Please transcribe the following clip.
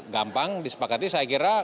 gampang disepakati saya kira